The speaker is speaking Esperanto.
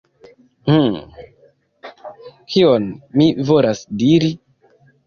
Hmm. Kion mi volas diri?